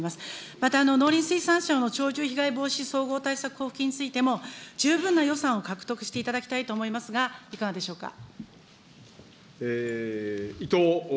また農林水産省の鳥獣被害防止総合対策交付金についても、十分な予算を獲得していただきたいと思いますが、いかがでしょうか。